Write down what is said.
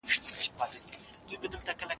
سم نیت روغتیا نه ځنډوي.